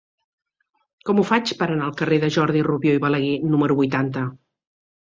Com ho faig per anar al carrer de Jordi Rubió i Balaguer número vuitanta?